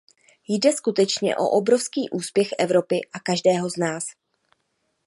Jde skutečně o obrovský úspěch Evropy a každého z nás.